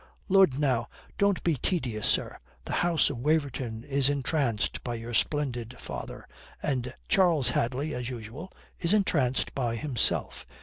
"Lud, now, don't be tedious. Sir, the house of Waverton is entranced by your splendid father: and Charles Hadley (as usual) is entranced by himself.